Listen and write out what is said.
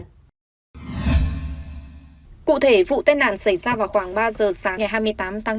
cụ thể vụ tai nạn xảy ra vào khoảng ba giờ sáng ngày hai mươi tám tháng bốn